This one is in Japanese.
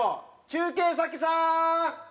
中継先さん！